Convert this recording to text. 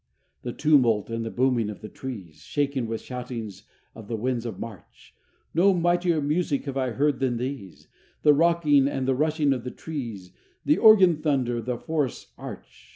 V The tumult and the booming of the trees, Shaken with shoutings of the winds of March No mightier music have I heard than these, The rocking and the rushing of the trees, The organ thunder of the forest's arch.